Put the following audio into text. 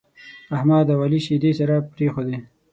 احمد او عالي شيدې سره پرېښودې.